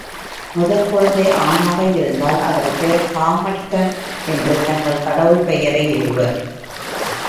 முதற் குழந்தை ஆணாக இருந்தால், அதற்குக் காமட்டன் என்று தங்கள் கடவுள் பெயரை இடுவர்.